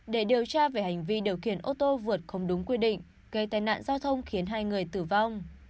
để điều tra về hành vi điều khiển ô tô vượt không đúng quy định gây tai nạn giao thông khiến hai người tử vong